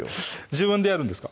自分でやるんですか？